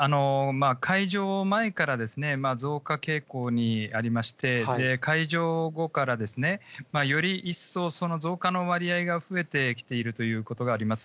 解除前から増加傾向にありまして、解除後から、より一層、その増加の割合が増えてきているということがあります。